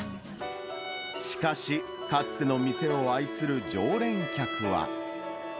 しかし、かつての店を愛する常連客は。